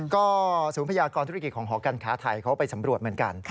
ก็ศูนย์พยากรธุรกิจของหอการค้าไทยเขาไปสำรวจเหมือนกัน